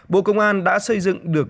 bộ công an đã xây dựng được